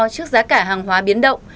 trước giá cả hàng hóa biến động